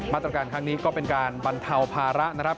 ตรการครั้งนี้ก็เป็นการบรรเทาภาระนะครับ